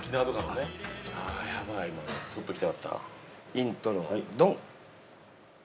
◆イントロ、ドン！